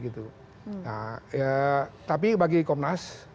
tapi bagi komnas